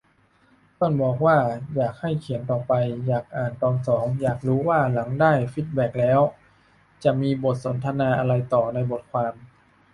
เพื่อนบอกว่า อยากให้เขียนต่อไป อยากอ่านตอนสอง อยากรู้ว่าหลังได้ฟีดแบคแล้วจะมีบทสนทนาอะไรต่อในบทความ